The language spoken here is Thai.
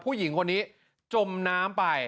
ผู้หญิงคนนี้จมน้ำไป